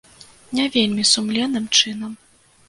Не вельмі сумленным чынам.